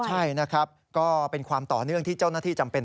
ใช่นะครับก็เป็นความต่อเนื่องที่เจ้าหน้าที่จำเป็น